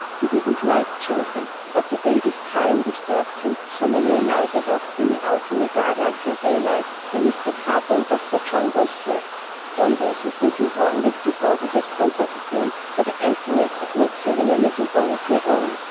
He didn't like children, and the baby's crying disturbed him, so many a night I walked Billy out in the garden until daylight, while Mr. Carter and Dr. John both slept. Always his little, warm, wilty body has comforted me for the emptiness of not having a little one of my own.